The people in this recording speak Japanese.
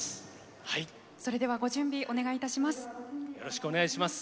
それではご準備お願いいたします。